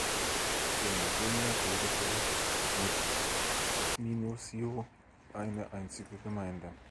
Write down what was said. Im Mittelalter bildete es mit Minusio eine einzige Gemeinde.